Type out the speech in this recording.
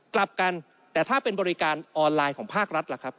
กลับกันแต่ถ้าเป็นบริการออนไลน์ของภาครัฐล่ะครับ